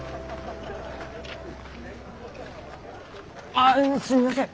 あっすみません！